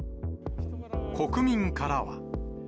国民からは。